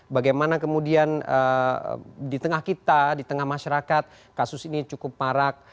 bagaimana kemudian di tengah kita di tengah masyarakat kasus ini cukup marak